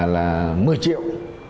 là một mươi triệu